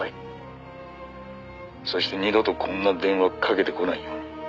「そして二度とこんな電話かけてこないように」